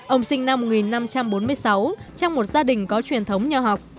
ông sinh năm một nghìn năm trăm bốn mươi sáu trong một gia đình có truyền thống nhờ học